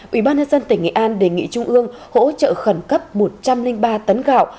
ủy ban nhân dân tỉnh nghệ an đề nghị trung ương hỗ trợ khẩn cấp một trăm linh ba tấn gạo